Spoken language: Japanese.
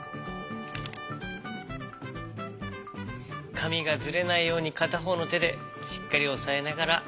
かみがずれないようにかたほうのてでしっかりおさえながら。